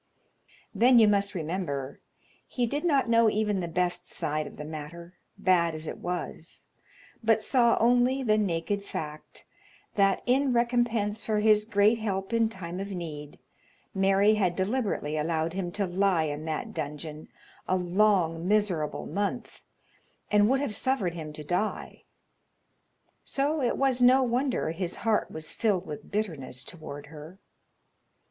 Then you must remember he did not know even the best side of the matter, bad as it was, but saw only the naked fact, that in recompense for his great help in time of need, Mary had deliberately allowed him to lie in that dungeon a long, miserable month, and would have suffered him to die. So it was no wonder his heart was filled with bitterness toward her.